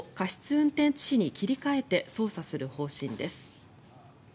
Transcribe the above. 運転致死に切り替えて捜査する方針です。